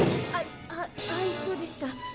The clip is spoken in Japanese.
はいそうでした。